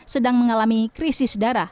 sedang mengalami krisis darah